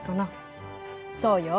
そうよ。